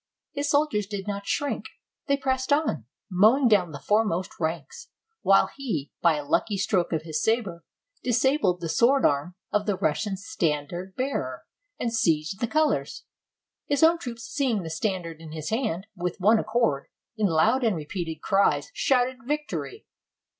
His soldiers did not shrink; they pressed on, mowing down the foremost ranks, while he, by a lucky stroke of his saber, disabled the sword arm of the Russian stand ard bearer and seized the colors. His own troops seeing the standard in his hand, with one accord, in loud and repeated cries, shouted victory.